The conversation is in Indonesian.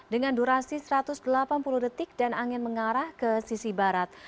dengan durasi satu ratus delapan puluh detik dan angin mengarah ke sisi barat